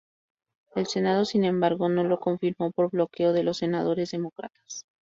El Senado, sin embargo, no lo confirmó por bloqueo de los senadores demócratas.